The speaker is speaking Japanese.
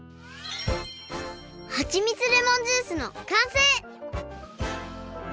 はちみつレモンジュースのかんせい！